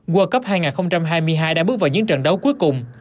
world cup hai nghìn hai mươi hai đã bước vào những trận đấu cuối cùng